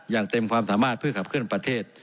อย่างเต็มความสามารถเพื่อขับเคลื่อนประเทศ